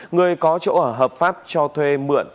người có chỗ ở hợp pháp cho thuê mượn